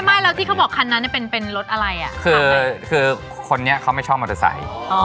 ไม่แล้วที่เขาบอกคันนั้นเป็นรถอะไรอ่ะคือคนนี้เขาไม่ชอบมอเตอร์ไซค์